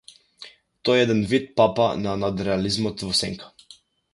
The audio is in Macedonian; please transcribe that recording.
Тој е еден вид папа на надреализмот во сенка.